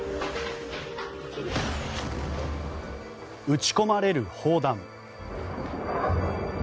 撃ち込まれる砲弾。